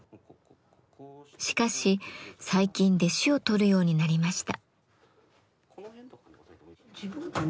しかし最近弟子を取るようになりました。